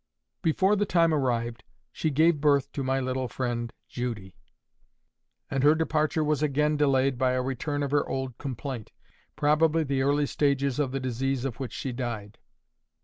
Before the time arrived, she gave birth to my little friend Judy; and her departure was again delayed by a return of her old complaint, probably the early stages of the disease of which she died.